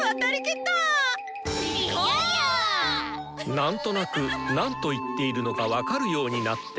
何となくなんと言っているのか分かるようになってきた。